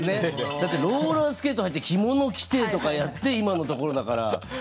だってローラースケート履いて着物着てとかやって今のところだから。